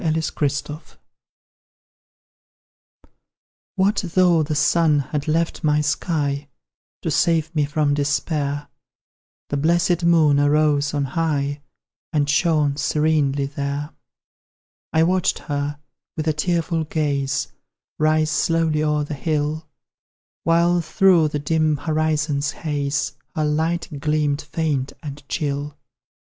FLUCTUATIONS, What though the Sun had left my sky; To save me from despair The blessed Moon arose on high, And shone serenely there. I watched her, with a tearful gaze, Rise slowly o'er the hill, While through the dim horizon's haze Her light gleamed faint and chill.